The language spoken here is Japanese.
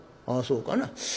「ああそうかな。